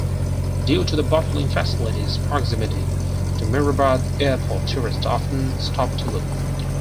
Due to the bottling facility's proximity to Mehrebad airport tourists often stop to look.